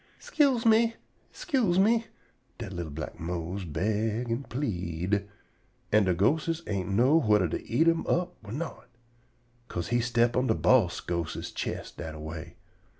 "'Scuse me! 'Scuse me!" dat li'l black Mose beg an' pleed, an' de ghostes ain't know whuther to eat him all up or not, 'ca'se he step on de boss ghostes's chest dat a way.